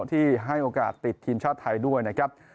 ที่ให้โอกาสติดทีมชาติไทยด้วยนะครับ